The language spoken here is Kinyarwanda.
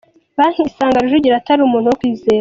Banki isanga Rujugiro atari umuntu wo kwizerwa